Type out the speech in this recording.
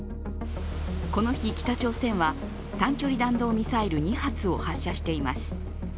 この日、北朝鮮は短距離弾道ミサイル２発を発射しています。